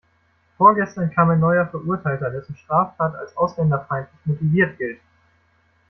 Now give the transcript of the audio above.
Vorgestern kam ein neuer Verurteilter, dessen Straftat als ausländerfeindlich motiviert gilt.